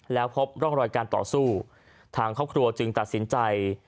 แล้วพบร่องรอยการต่อสู้ทางครอบครัวจึงตัดสินใจ